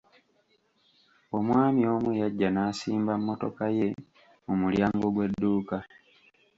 Omwami omu yajja n'asimba mmotoka ye mu mulyango gw'edduuka.